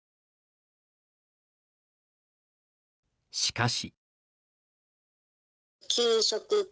しかし。